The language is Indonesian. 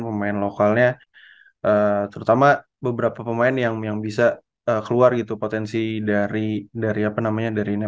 pemain lokalnya terutama beberapa pemain yang yang bisa keluar gitu potensi dari dari apa namanya dari